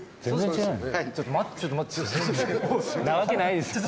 なわけないですよね。